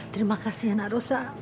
terima kasih anak rosa